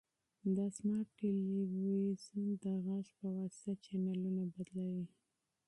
دا سمارټ تلویزیون د غږ په واسطه چینلونه بدلوي.